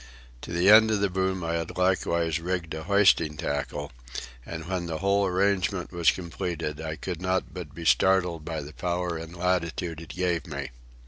To the end of the boom I had likewise rigged a hoisting tackle; and when the whole arrangement was completed I could not but be startled by the power and latitude it gave me.